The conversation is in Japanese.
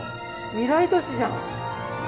未来都市じゃん。